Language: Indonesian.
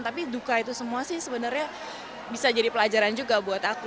tapi duka itu semua sih sebenarnya bisa jadi pelajaran juga buat aku